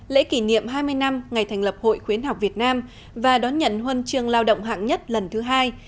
lễ kỷ niệm hai mươi năm ngày thành lập hội khuyến học việt nam và đón nhận huân chương lao động hạng nhất lần thứ hai